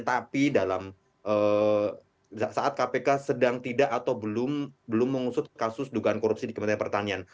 tapi dalam saat kpk sedang tidak atau belum mengusut kasus dugaan korupsi di kementerian pertanian